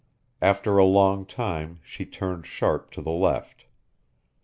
After a long time she turned sharp to the left.